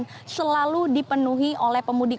dan selalu dipenuhi oleh pemudik